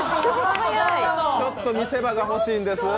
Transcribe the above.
ちょっと見せ場が欲しいんです。